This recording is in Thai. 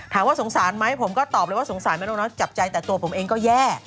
ถามว่าสงสารไหมผมก็ตอบเลยว่าสงสารแม่นกน้อยจับใจแต่ตัวผมเองก็แย่